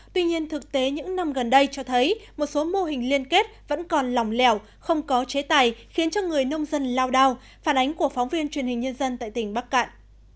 tuy nhiên thực tế những năm gần đây cho thấy một số mô hình liên kết vẫn còn lỏng lẻo không có chế tài khiến cho người nông dân lao đao phản ánh của phóng viên truyền hình nhân dân tại tỉnh bắc cạn